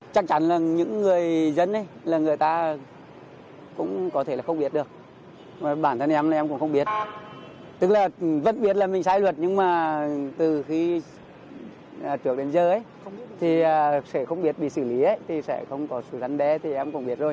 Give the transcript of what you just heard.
chắc chắn là những người dân ấy là người ta cũng có thể là không biết được và bản thân em là em cũng không biết tức là vẫn biết là mình sai luật nhưng mà từ khi trước đến giờ ấy thì sẽ không biết bị xử lý ấy thì sẽ không có sự rắn bé thì em cũng biết rồi